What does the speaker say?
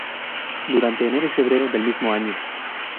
Durante Enero y Febrero del mismo año.